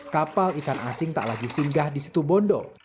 kapal ikan asing tak lagi singgah di situ bondo